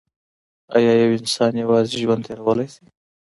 ایا یو انسان یوازي ژوند تیرولای سي؟